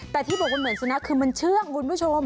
ที่บอกว่ามันเหมือนซูนักคือมันเชื่องคุณผู้ชม